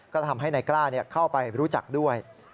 ก็ทำให้นายกล้าเข้าไปรู้จักด้วย